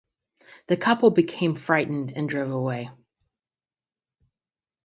The couple become frightened and drove away.